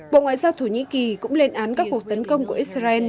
bộ ngoại giao thổ nhĩ kỳ cũng lên án các cuộc tấn công của israel